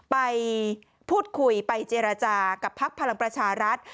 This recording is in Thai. ไปพูดคุยไปเจรจากับพักพลังประชารัฐ